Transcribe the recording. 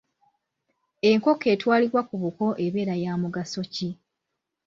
Enkoko etwalibwa ku buko ebeera ya mugaso ki?